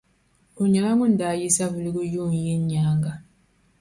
O nyɛla ŋun daa yi Savelugu yuuni yini nyaaŋa.